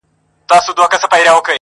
په دوستي یې د ټولواک رضاکومه -